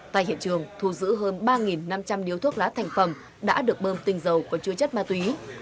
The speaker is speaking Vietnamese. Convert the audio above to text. tại hiện trường thu giữ hơn ba năm trăm linh điếu thuốc lá thành phẩm đã được bơm tinh dầu có chứa chất ma túy